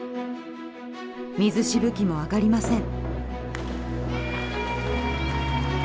水しぶきも上がりません。